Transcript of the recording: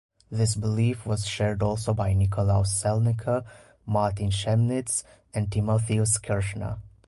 This belief was shared also by Nikolaus Selnecker, Martin Chemnitz and Timotheus Kirchner.